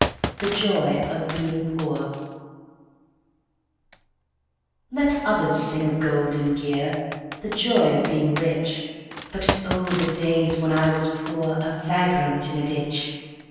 The Joy of Being Poor I Let others sing of gold and gear, the joy of being rich; But oh, the days when I was poor, a vagrant in a ditch!